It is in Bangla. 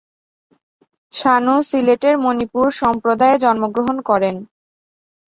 শানু সিলেটের মণিপুর সম্প্রদায়ে জন্মগ্রহণ করেন।